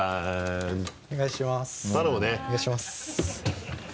お願いします。